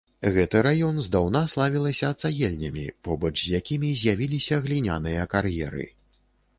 Гэты раён здаўна славілася цагельнямі, побач з якімі з'явіліся гліняныя кар'еры.